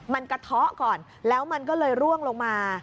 มันกระเทาะก่อนแล้วมันก็เลยร่วงลงมา